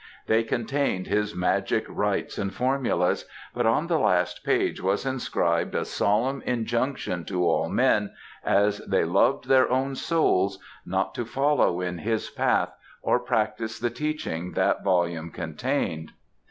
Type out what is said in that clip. They contained his magic rites and formulas, but on the last page was inscribed a solemn injunction to all men, as they loved their own souls, not to follow in his path or practice the teaching that volume contained.